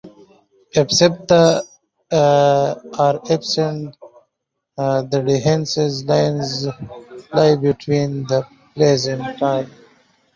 If septa are absent, the dehiscence lines lie between the placentae.